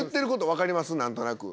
分かります。